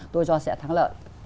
tôi cho sẽ thắng lợi